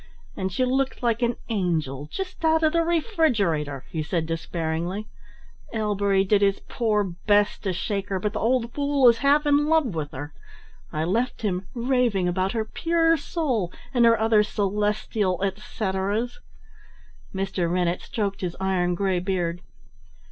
"And she looked like an angel just out of the refrigerator," he said despairingly. "Ellbery did his poor best to shake her, but the old fool is half in love with her I left him raving about her pure soul and her other celestial etceteras." Mr. Rennett stroked his iron grey beard.